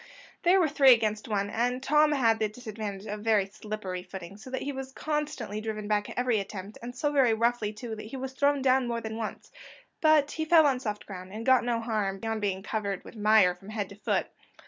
There were three against one, and Tom had the disadvantage of very slippery footing, so that he was constantly driven back at every attempt, and so very roughly too, that he was thrown down more than once; but he fell on soft ground, and got no harm beyond being covered with mire from head to foot.